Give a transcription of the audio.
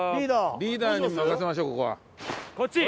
リーダーに任せましょうここは。こっち？